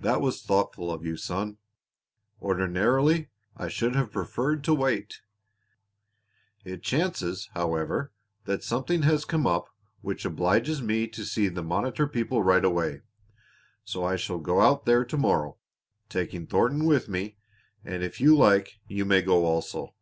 "That was thoughtful of you, son. Ordinarily I should have preferred to wait; it chances, however, that something has come up which obliges me to see the Monitor people right away. So I shall go out there to morrow, taking Thornton with me, and if you like you may go also."